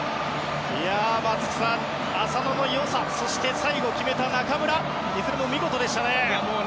松木さん、浅野の良さそして最後決めた中村いずれも見事でしたね。